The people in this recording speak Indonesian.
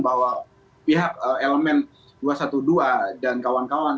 bahwa pihak elemen dua ratus dua belas dan kawan kawan